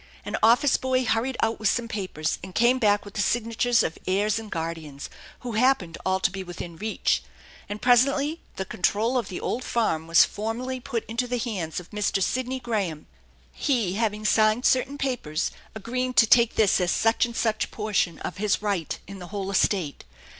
An office boy hurried out with some papers, and carne back with the signatures of heirs and guardians, who happened all to be THE ENCHANTED BARN 49 within reach; and presently the control of the old farm was formally put into the hands of Mr. Sidney Graham, he having signed certain papers agreeing to take this as such and such portion of his right in the whole estate.